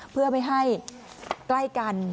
เพื่อไม่ให้ใกล้กัน